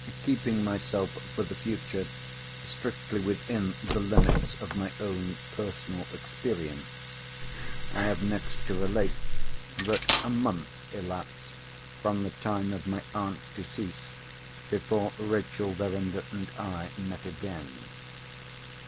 Keeping myself for the future strictly within the limits of my own personal experience, I have next to relate that a month elapsed from the time of my aunt's decease before Rachel Verinder and I met again.